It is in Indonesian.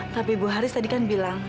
tapi ibu haris tadi kan bilang